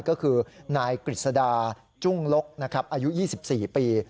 ก็คือนายกริษดาจุ่งลกอายุ๒๔ปี